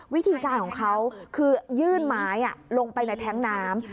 วิธีการของเขาคือยื่นไม้ลงไปในแท้งน้ำ